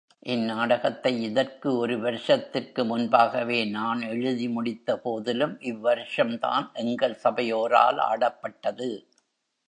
இந்நாடகத்தை இதற்கு ஒரு வருஷத்திற்கு முன்பாகவே நான் எழுதி முடித்தபோதிலும் இவ்வருஷம்தான் எங்கள் சபையோரால் ஆடப்பட்டது.